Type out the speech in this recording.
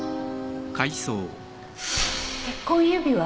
結婚指輪？